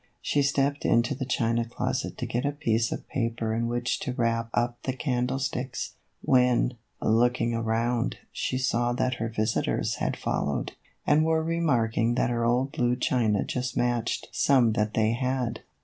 She stepped into the china closet to get a piece of paper in which to wrap up the candlesticks, when, looking around, she saw that her visitors had followed, and were remarking that her old blue china just matched some that they had.